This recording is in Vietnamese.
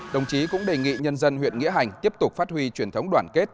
đồng chí cũng đề nghị nhân dân huyện nghĩa hành tiếp tục phát huy truyền thống đoàn kết